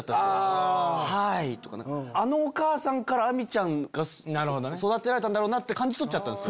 あのお母さんから亜美ちゃんが育てられたんだろうなって感じ取っちゃったんですよ。